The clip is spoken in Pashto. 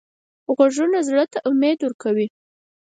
غږونه زړه ته امید ورکوي